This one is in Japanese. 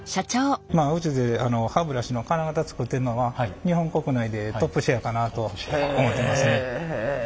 まあうちで歯ブラシの金型作ってるのは日本国内でトップシェアかなと思ってますね。